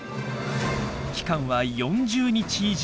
期間は４０日以上。